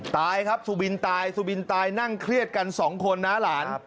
ตายครับสุบินตายสุบินตายนั่งเครียดกันสองคนนะหลาน